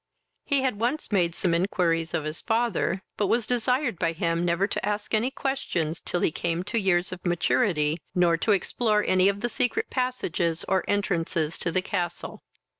He had once made some inquiries of his father, but was desired by him never to ask any questions till he came to years of maturity, nor to explore any of the secret passages or entrances to the castle.